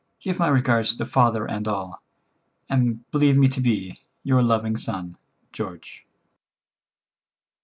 Give my regards to father and all, and believe me to be, "Your loving son, "George."